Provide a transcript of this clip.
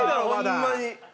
ホンマに。